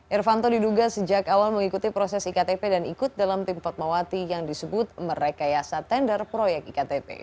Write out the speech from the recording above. irfanto diduga sejak awal mengikuti proses iktp dan ikut dalam tim potmawati yang disebut merekayasa tender proyek iktp